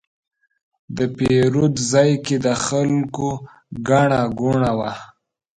د پیرود ځای کې د خلکو ګڼه ګوڼه وه.